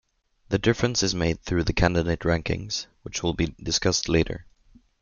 The difference is made through the candidate rankings, which will be discussed later.